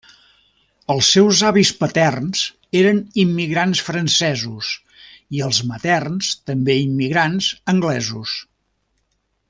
Els seus avis paterns eren immigrants francesos, i els materns, també immigrants, anglesos.